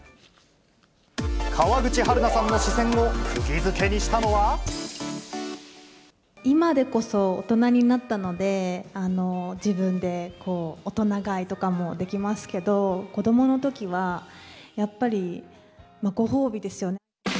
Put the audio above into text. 川口春奈さんの視線をくぎづ今でこそ大人になったので、自分で大人買いとかもできますけど、子どものときは、やっぱりご褒美ですよね。